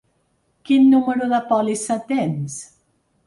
Quin número de pòlissa tens?